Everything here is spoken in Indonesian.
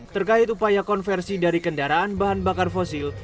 terkait upaya konversi dari kendaraan bahan bakar fosil